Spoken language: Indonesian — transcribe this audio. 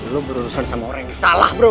lo berurusan sama orang yang salah bro